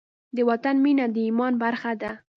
د وطن مینه د ایمان برخه ده.